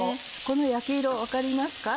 この焼き色分かりますか？